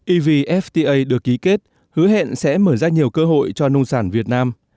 evfta được ký kết hứa hẹn sẽ mở ra nhiều cơ hội cho nông sản việt nam